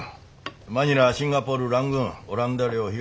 マニラシンガポールラングーンオランダ領東インド。